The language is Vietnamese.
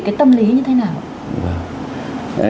cái tâm lý như thế nào ạ